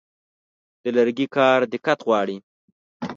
د لرګي کار دقت غواړي.